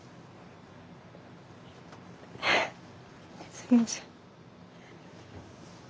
すみません。